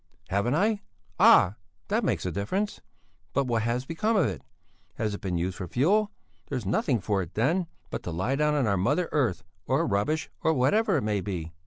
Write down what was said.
"Haven't I? Ah! That makes a difference! But what has become of it? Has it been used for fuel? There's nothing for it then, but to lie down on our mother earth, or rubbish, or whatever it may be."